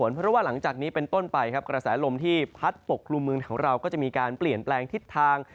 เพราะว่าหลังจากนี้เป็นต้นไปครับกระแสลมที่พัดปกกลุ่มเมืองของเราก็จะมีการเปลี่ยนแปลงทิศทาง